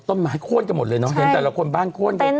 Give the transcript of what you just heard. ต้นไม้โค้นกันหมดเลยเนาะเห็นแต่ละคนบ้านโค้น